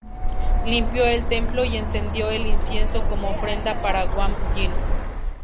Limpió el templo y encendió el incienso como ofrenda para Guan Yin.